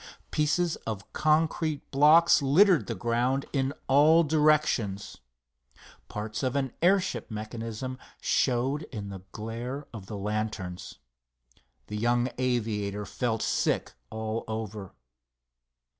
Pieces of concrete blocks littered the ground in all directions. Parts of an airship mechanism showed in the glare of the lanterns. The young aviator felt sick all over.